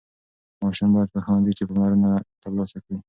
ماشوم باید په ښوونځي کې پاملرنه ترلاسه کړي.